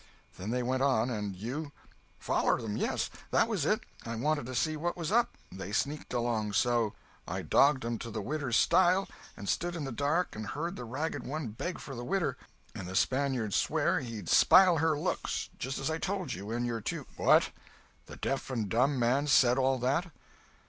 "Then they went on, and you—" "Follered 'em—yes. That was it. I wanted to see what was up—they sneaked along so. I dogged 'em to the widder's stile, and stood in the dark and heard the ragged one beg for the widder, and the Spaniard swear he'd spile her looks just as I told you and your two—" "What! The deaf and dumb man said all that!"